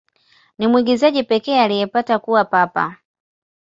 Ni Mwingereza pekee aliyepata kuwa Papa.